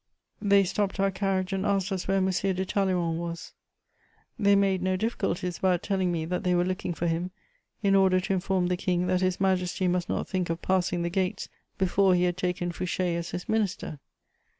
They stopped our carriage and asked us where M. de Talleyrand was; they made no difficulties about telling me that they were looking for him in order to inform the King that His Majesty must not think of passing the gates before he had taken Fouché as his minister.